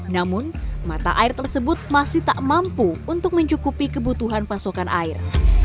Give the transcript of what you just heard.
namun mata air tersebut masih tak mampu untuk mencukupi kebutuhan pasokan air